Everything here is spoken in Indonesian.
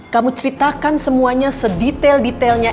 kamu ceritakan semuanya sedetail detailnya